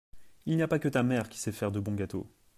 Il n’y a pas que ta mère qui sait faire de bons gâteaux.